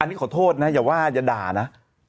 อันนี้ขอโทษนะอย่าว่าอย่าด่านะ